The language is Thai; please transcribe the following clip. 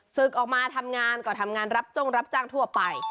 ศึกออกมาทำงานก็ทำงานรับจ้งรับจ้างทั่วไป